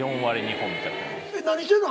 何してんの？